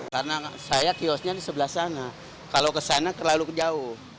karena saya kiosnya di sebelah sana kalau ke sana terlalu jauh